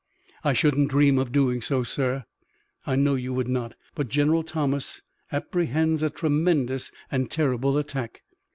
"I shouldn't dream of doing so, sir." "I know you would not, but General Thomas apprehends a tremendous and terrible attack.